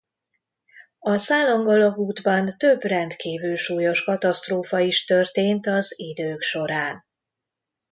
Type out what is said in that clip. A Szálang-alagútban több rendkívül súlyos katasztrófa is történt az idők során.